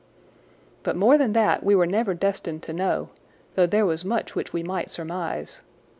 But more than that we were never destined to know, though there was much which we might surmise.